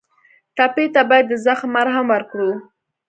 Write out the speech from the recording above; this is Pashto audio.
ټپي ته باید د زخم مرهم ورکړو.